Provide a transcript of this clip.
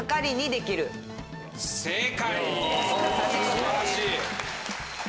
素晴らしい。